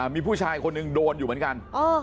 มีผู้ชายคนหนึ่งโดนอยู่เหมือนกัน